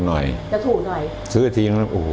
ถ้าเขามัดตรงนี้ตรงนี้เลยที่เกี่ยวย่ายมันจะถูกหน่อย